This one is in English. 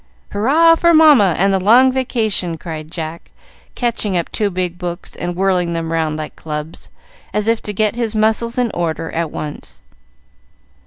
"Hurrah for Mamma and the long vacation!" cried Jack, catching up two big books and whirling them round like clubs, as if to get his muscles in order at once.